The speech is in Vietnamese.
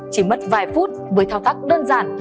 chỉ mất vài phút với thao tác đơn giản